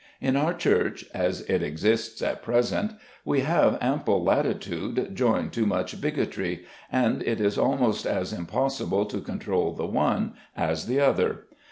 In our Church, as it exists at present, we have ample latitude joined to much bigotry, and it is almost as impossible to control the one as the other.